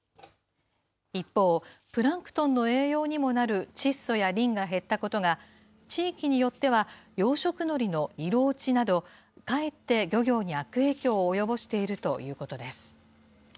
一方、プランクトンの栄養にもなる窒素やリンが減ったことが、地域によっては養殖のりの色落ちなど、かえって漁業に悪影響を及ぼしているということです。